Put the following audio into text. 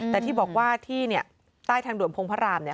แต่ที่บอกว่าที่ใต้ทางด่วนพงพระรามเนี่ย